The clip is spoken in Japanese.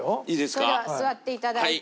それでは座って頂いて。